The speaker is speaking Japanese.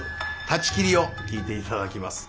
「たちきり」を聴いて頂きます。